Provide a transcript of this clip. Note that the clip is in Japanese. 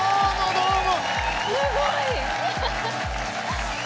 どうも！